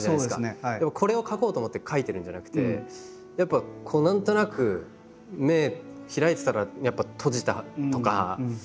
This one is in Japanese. これを描こうと思って描いてるんじゃなくてやっぱこう何となく目開いてたらやっぱ閉じたとか。